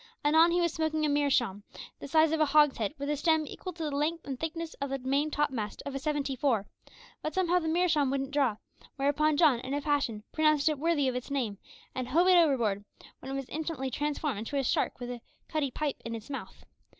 Anon he was smoking a meerschaum the size of a hogshead, with a stem equal to the length and thickness of the main topmast of a seventy four; but somehow the meerschaum wouldn't draw, whereupon John, in a passion, pronounced it worthy of its name, and hove it overboard, when it was instantly transformed into a shark with a cutty pipe in its mouth.